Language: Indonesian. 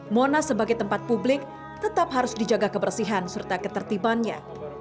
monas sebagai tempat publik tetap harus dijaga kebersihan serta ketertibannya